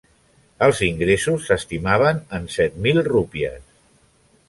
Els ingressos s'estimaven en set mil rúpies.